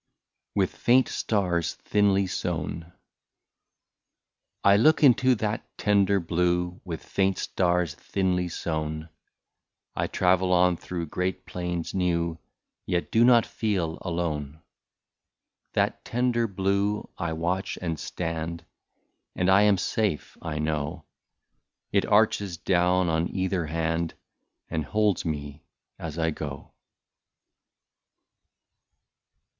171 WITH FAINT STARS THINLY SOWN. I LOOK into that tender blue, With faint stars thinly sown ; I travel on through great plains new, Yet do not feel alone. That tender blue, — I watch and stand, And I am safe, I know ; It arches down on either hand. And holds me as I go.